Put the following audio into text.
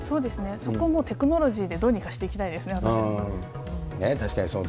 そこもテクノロジーでどうにかしていきたいですね、私たちの。